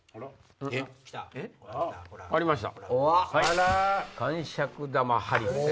えっ？ありました。